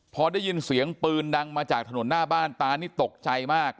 พอได้ยินเสียงปืนดังมาจากถนนหน้าบ้านตานี่ตกใจมาก